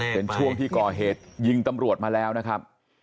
เป็นช่วงที่ก่อเหตุยิงตำรวจมาแล้วนะครับ